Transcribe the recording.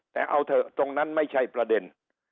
แต่เอาเถอะตรงนั้นไม่ใช่ประเด็น